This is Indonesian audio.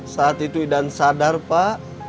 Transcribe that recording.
saat itu idan sadar pak